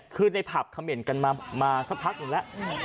คือในผับเขม่นกันมาสักพักหนึ่งแล้ว